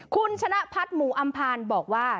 คุณชนะพัฒน์หมู่อำพานบอกว่า